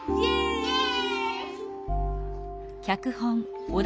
イエイ！